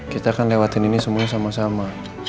kita akan lewatin ini semua sama sama